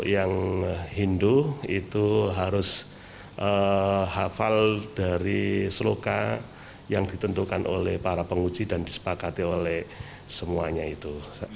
yang hindu itu harus hafal dari seloka yang ditentukan oleh para penguji dan disepakati oleh semuanya itu